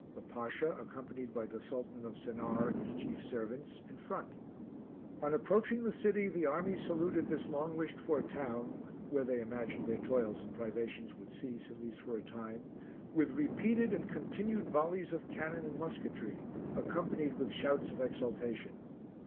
The Pasha, accompanied by the Sultan of Sennaar and his chief servants, in front. On approaching the city, the army saluted this long wished for town, where they imagined that their toils and privations would cease, at least for a time, with repeated and continued volleys of cannon and musquetry, accompanied with shouts of exultation.